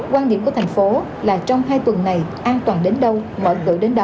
quan điểm của tp hcm là trong hai tuần này an toàn đến đâu mọi người đến đó